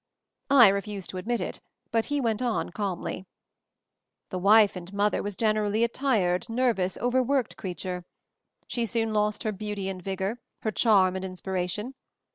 I refused to admit it, but he went on calmly. "The 'wife and mother' was generally a tired, nervous, overworked creature. She soon lost her beauty and vigor, her charm and inspiration.